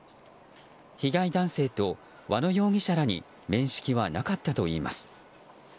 被害男性と和野容疑者らに面識はなかったといいます。